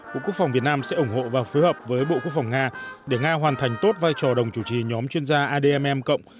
bộ quốc phòng việt nam sẽ ủng hộ và phối hợp với bộ quốc phòng nga để nga hoàn thành tốt vai trò đồng chủ trì nhóm chuyên gia admm cộng